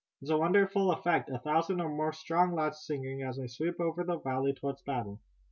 It's a wonderful effect, a thousand or more strong lads singing, as they sweep over the valley toward battle."